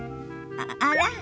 あら？